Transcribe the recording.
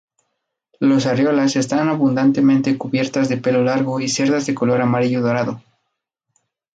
Los areolas están abundantemente cubiertas de pelo largo y cerdas de color amarillo dorado.